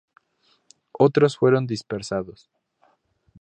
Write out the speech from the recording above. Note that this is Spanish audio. Otros fueron dispersados.